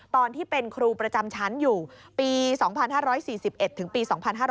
ตอนที่เป็นครูประจำชั้นอยู่ปี๒๕๔๑ถึงปี๒๕๕๙